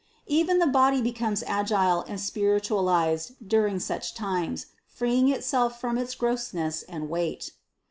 Even the body becomes agile and spiritualized during such times, freeing itself from its grossness and weight.